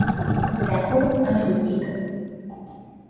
দ্যাখো, আমি দুঃখিত।